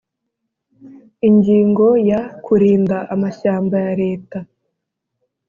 Ingingo ya Kurinda amashyamba ya Leta